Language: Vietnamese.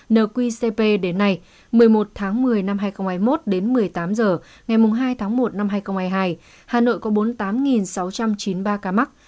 nqcp đến nay một mươi một tháng một mươi năm hai nghìn hai mươi một đến một mươi tám h ngày hai tháng một năm hai nghìn hai mươi hai hà nội có bốn mươi tám sáu trăm chín mươi ba ca mắc